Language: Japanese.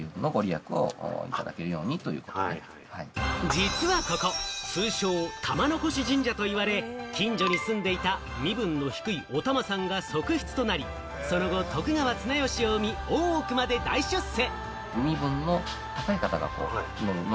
実はここ、通称、玉の輿神社と言われ、近所に住んでいた身分の低いお玉さんが側室となり、その後、徳川綱吉を産み、大奥で大出世。